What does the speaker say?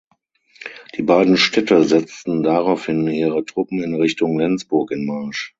Die beiden Städte setzten daraufhin ihre Truppen in Richtung Lenzburg in Marsch.